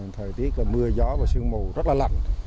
thời tiết là mưa gió và sương mù rất là lạnh